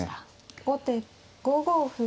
後手５五歩。